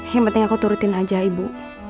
yang penting aku turutin aja ibu